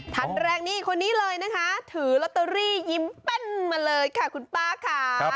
ท่านแรกนี่คนนี้เลยนะคะถือลอตเตอรี่ยิ้มแป้นมาเลยค่ะคุณป้าค่ะ